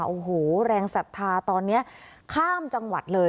โอ้โหแรงศรัทธาตอนนี้ข้ามจังหวัดเลย